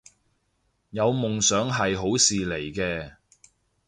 有夢想係好事嚟嘅